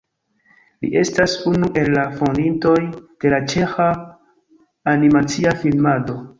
Li estas unu el la fondintoj de la ĉeĥa animacia filmado.